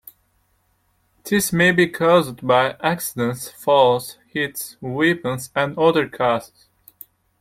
This may be caused by accidents, falls, hits, weapons, and other causes.